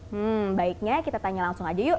hmm baiknya kita tanya langsung aja yuk